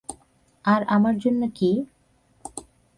আর আমার জন্য কি?